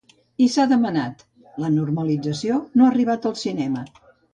I s’ha demanat: La normalització no ha arribat al cinema.